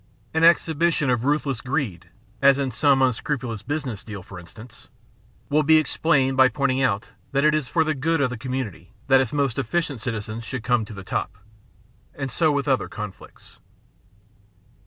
An exhibition of ruthless greed — as in some unscrupulous business deal, for instance — will be explained by pointing out that it is for the good of the com mimity that its most efficient citizens should come to the top, and so with other conflicts.